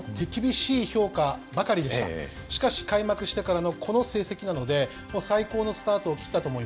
しかし開幕してからのこの成績なので最高のスタートを切ったと思います。